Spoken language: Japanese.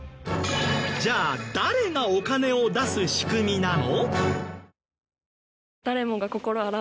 じゃあ誰がお金を出す仕組みなの？